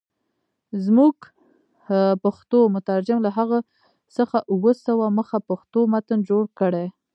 زموږ پښتو مترجم له هغه څخه اووه سوه مخه پښتو متن جوړ کړی.